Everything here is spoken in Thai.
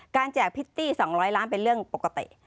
การแจกพิตตี้สองร้อยล้านเป็นเรื่องปกติ